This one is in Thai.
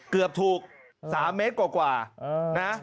เกือบถูก๓เมตรกว่านะ